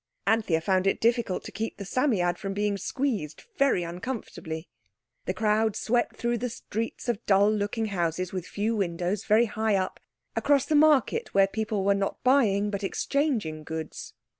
Anthea found it difficult to keep the Psammead from being squeezed very uncomfortably. The crowd swept through the streets of dull looking houses with few windows, very high up, across the market where people were not buying but exchanging goods.